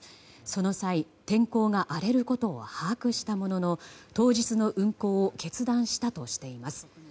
その際、天候が荒れることを把握したものの当日の運航を決断したとしています。